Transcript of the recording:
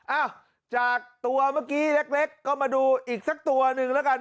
อ้าวจากตัวเมื่อกี้เล็กก็มาดูอีกสักตัวหนึ่งแล้วกัน